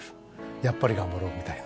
やっぱり頑張ろうみたいな。